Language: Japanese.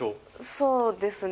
そうですね。